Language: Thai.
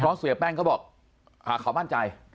เพราะเสียแป้งเขาบอกเขามั่นใจ